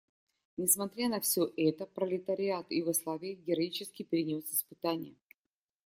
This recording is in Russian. Несмотря на все это пролетариат Югославии героически перенес испытания.